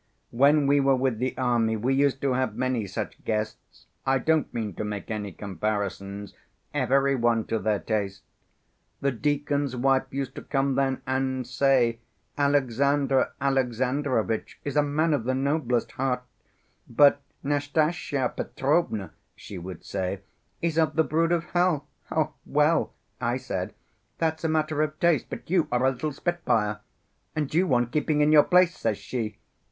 When we were with the army, we used to have many such guests. I don't mean to make any comparisons; every one to their taste. The deacon's wife used to come then and say, 'Alexandr Alexandrovitch is a man of the noblest heart, but Nastasya Petrovna,' she would say, 'is of the brood of hell.' 'Well,' I said, 'that's a matter of taste; but you are a little spitfire.' 'And you want keeping in your place,' says she.